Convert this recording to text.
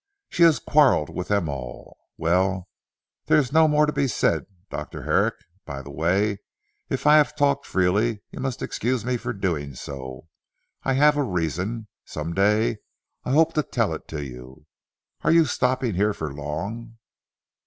She has quarrelled with them all. Well, there is no more to be said Dr. Herrick. By the way, if I have talked freely, you must excuse me for doing so. I have a reason. Some day I hope to tell it to you. Are you stopping here for long?"